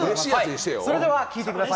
それでは聴いてください。